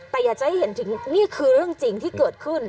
แต่อยากจะให้เห็นถึงนี่คือเรื่องจริงที่เกิดขึ้น